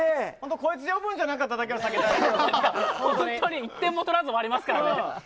こいつを呼ぶんじゃなかっただけは１点も取らずに終わりますからね。